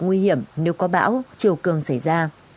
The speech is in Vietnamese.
nguy hiểm nếu có bão triều cường xảy ra